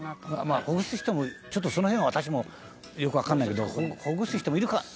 「まあほぐす人もちょっとその辺私もよくわかんないけどほぐす人もいるかもしれませんね」